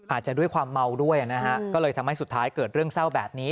อาจจะด้วยความเมาด้วยนะฮะก็เลยทำให้สุดท้ายเกิดเรื่องเศร้าแบบนี้